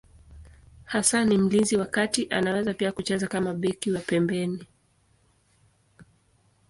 Hasa ni mlinzi wa kati, anaweza pia kucheza kama beki wa pembeni.